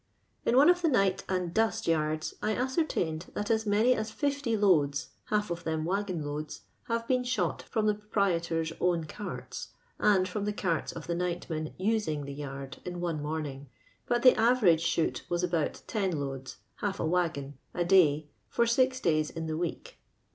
In one of the night and dust yards, I ascer tained that as many as 50 loads, half of them waggon loads, have been shot ftom the pro prietor's own carts, and from the carts of the nightmen using " the yard, in one morning, but the average *' shoot" was about ten loads (half a waggon) a day for six days in the week.